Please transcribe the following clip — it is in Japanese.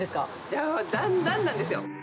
やっぱりだんだんなんですよ。